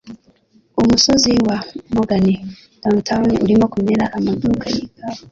Umusozi wa Morgan Downtown urimo kumera amaduka yikawa,